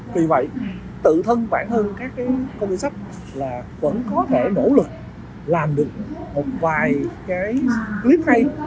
vì vậy tự thân bản thân các công ty sách là vẫn có thể nỗ lực làm được một vài clip hay